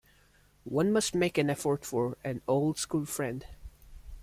One must make an effort for an old school friend.